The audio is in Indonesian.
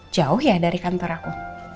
jauh ya dari kantor aku